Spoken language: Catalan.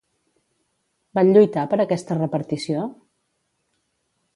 Van lluitar per aquesta repartició?